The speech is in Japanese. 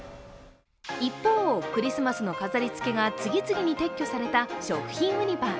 一方、クリスマスの飾りつけが次々と撤去された食品売り場。